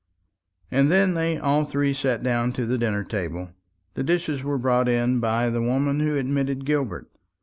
And then they all three sat down to the dinner table. The dishes were brought in by the woman who had admitted Gilbert.